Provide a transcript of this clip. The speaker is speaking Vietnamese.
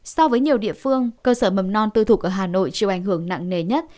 so với nhiều địa phương cơ sở mầm non tư thục ở hà nội chịu ảnh hưởng nặng nề nhất